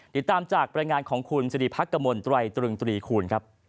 ติดตามจากปรายงานของคุณจิริพักกะมนต์ตรวัยตรึงตรีคูณ